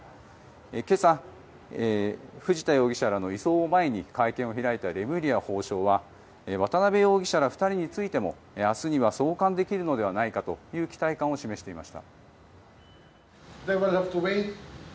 今朝、藤田容疑者らの移送を前に会見を開いたレムリヤ法相は渡邉容疑者ら２人については明日には送還できるのではないかという期待感を示していました。